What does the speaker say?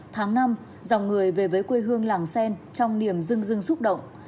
tháng năm dòng người về với quê hương làng sen trong niềm rưng rưng xúc động